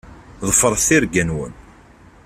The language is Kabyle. Ḍefṛet tirga-nwen.